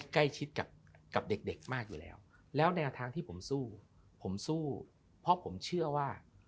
ใกล้ชิดกับเด็กมากอยู่แล้วแล้วแนวทางที่ผมสู้ผมสู้เพราะผมเชื่อว่า